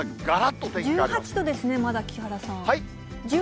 １８度ですね、まだ、木原さん。